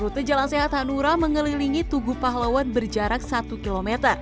rute jalan sehat hanura mengelilingi tugu pahlawan berjarak satu km